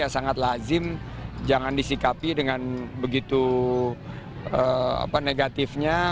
sangat lazim jangan disikapi dengan begitu negatifnya